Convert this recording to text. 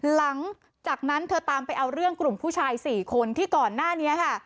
หลังจากนั้นเธอตามไปเอาเรื่องกลุ่มผู้ชาย๔คนที่ก่อนหน้านี้ค่ะ